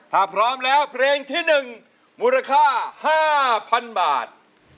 ถ้าพร้อมแล้วเพลงที่๑มูลค่า๕๐๐๐บาท